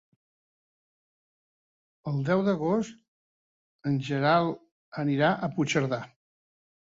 El deu d'agost en Gerai anirà a Puigcerdà.